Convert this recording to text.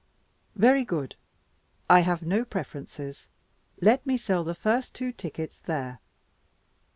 Very good. I have no preferences. Let me sell the first two tickets there.